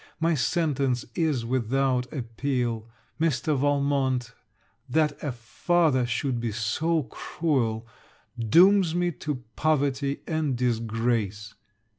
My sentence is without appeal. Mr. Valmont that a father should be so cruel! dooms me to poverty and disgrace.